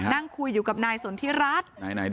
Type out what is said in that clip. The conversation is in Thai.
นั่งคุยอยู่กับนายสนทิรัฐ